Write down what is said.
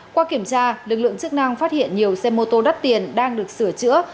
qua kiểm tra lực lượng chức năng phát hiện nhiều xe mô tô đắt tiền đang được sửa chữa